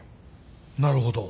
なるほど。